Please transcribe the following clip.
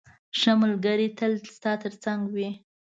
ښه ملګری تل ستا تر څنګ وي.